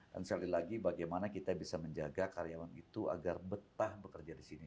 dan sekali lagi bagaimana kita bisa menjaga karyawan itu agar betah bekerja di sini